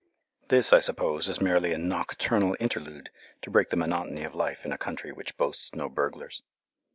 This, I suppose, is merely a nocturnal interlude to break the monotony of life in a country which boasts no burglars.